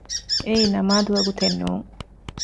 އެއީ ނަމާދު ވަގުތެއް ނޫން